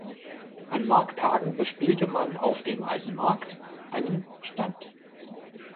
An Markttagen bespielte man auf dem Alten Markt einen Stand.